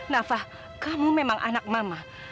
nafa kamu memang anak mama